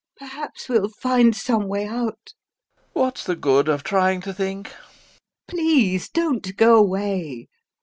Perhaps we'll find some way out! LOPAKHIN. What's the good of trying to think! LUBOV. Please don't go away.